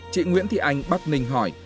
chị nguyễn thị anh bắc ninh hỏi